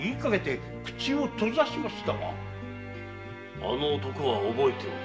あの男は覚えておる。